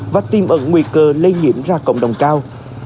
và tiêm ẩn nguy cơ lây nhiễm ra cộng đồng cao